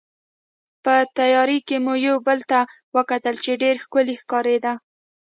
په تیارې کې مو یو بل ته وکتل چې ډېره ښکلې ښکارېده.